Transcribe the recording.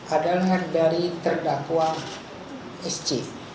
adalah dari terdakwa sc